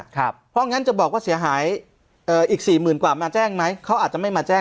เพราะงั้นจะบอกว่าเสียหายอีกสี่หมื่นกว่ามาแจ้งไหมเขาอาจจะไม่มาแจ้ง